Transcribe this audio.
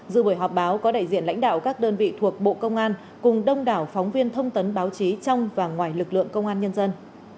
dự buổi họp báo có đại diện lãnh đạo các đơn vị thuộc bộ công an cùng đông đảo phóng viên thông tấn báo chí trong và ngoài lực lượng công an nhân dân